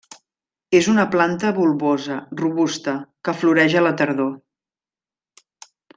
És una planta bulbosa, robusta, que floreix a la tardor.